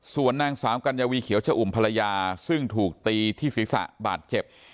ส่วนนางสาวกัญญาวีเขียวชะอุ่มภรรยาซึ่งถูกตีที่ศีรษะบาดเจ็บ